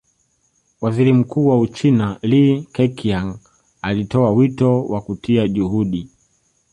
Waziri Mkuu wa Uchina Li Keqiang alitoa wito wa kutia juhudi